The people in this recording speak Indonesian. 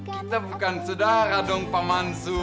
kita bukan saudara dong pak mansu